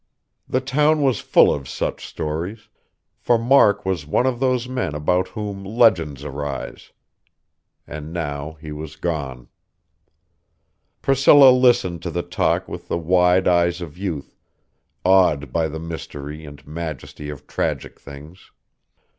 The town was full of such stories; for Mark was one of those men about whom legends arise. And now he was gone.... Priscilla listened to the talk with the wide eyes of youth, awed by the mystery and majesty of tragic things.